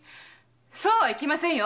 そうはいきませんよ！